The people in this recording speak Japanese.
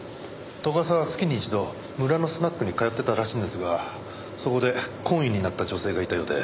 斗ヶ沢は月に一度村のスナックに通ってたらしいんですがそこで懇意になった女性がいたようで。